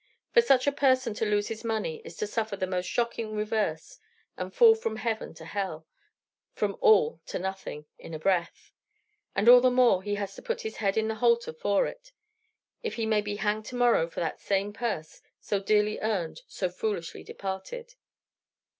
For such a person to lose his money is to suffer the most shocking reverse, and fall from heaven to hell, from all to nothing, in a breath. And all the more if he has put his head in the halter for it; if he may be hanged to morrow for that same purse, so dearly earned, so foolishly departed.